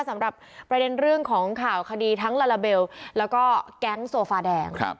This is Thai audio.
สำหรับประเด็นเรื่องของข่าวคดีทั้งลาลาเบลแล้วก็แก๊งโซฟาแดง